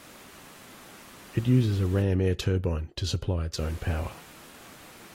It uses a ram air turbine to supply its own power.